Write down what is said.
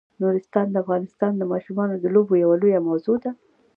نورستان د افغانستان د ماشومانو د لوبو یوه لویه موضوع ده.